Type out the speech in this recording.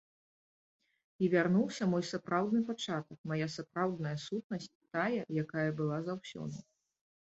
І вярнуўся мой сапраўдны пачатак, мая сапраўдная сутнасць, тая, якая была заўсёды.